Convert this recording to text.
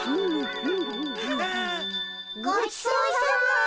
ごちそうさま。